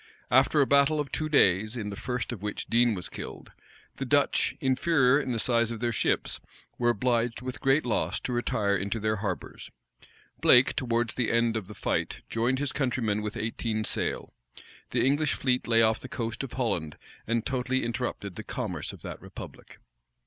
After a battle of two days, in the first of which Dean was killed, the Dutch, inferior in the size of their ships, were obliged, with great loss, to retire into their harbors. Blake, towards the end of the fight, joined his countrymen with eighteen sail. The English fleet lay off the coast of Holland, and totally interrupted the commerce of that republic.